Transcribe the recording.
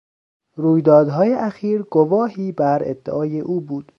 رویدادهای اخیر گواهی بر ادعای او بود.